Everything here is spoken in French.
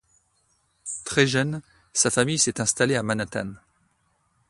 Très jeune, sa famille s'est installée à Manhattan.